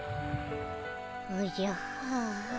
おじゃはあ。